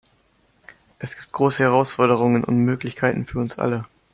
Es gibt große Herausforderungen und Möglichkeiten für uns alle.